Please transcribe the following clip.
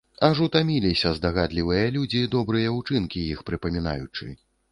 Аж утаміліся здагадлівыя людзі, добрыя ўчынкі іх прыпамінаючы.